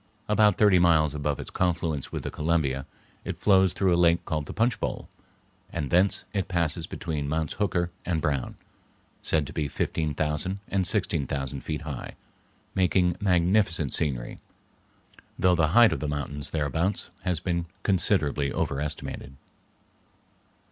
About thirty miles above its confluence with the Columbia it flows through a lake called the Punch Bowl, and thence it passes between Mounts Hooker and Brown, said to be fifteen thousand and sixteen thousand feet high, making magnificent scenery; though the height of the mountains thereabouts has been considerably overestimated.